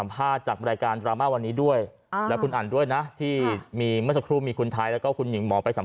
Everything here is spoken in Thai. ผิดปกติ